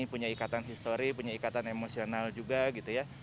punya ikatan histori punya ikatan emosional juga gitu ya